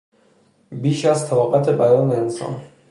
بیش از طاقت بدن انسان